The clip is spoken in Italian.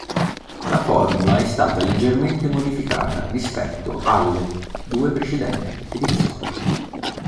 La formula è stata leggermente modificata rispetto alle due precedenti edizioni.